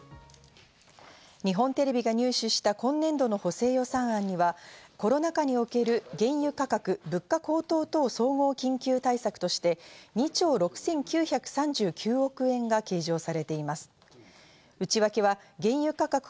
日本テレビが入手した今年度の補正予算案にはコロナ禍における原油価格・物価高騰等総合緊急対策として２兆６９３９億円が計上されています。